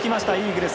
イーグルス。